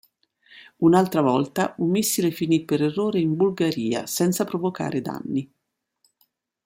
Un'altra volta, un missile finì per errore in Bulgaria, senza provocare danni.